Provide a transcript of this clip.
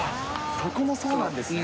そこもそうなんですね。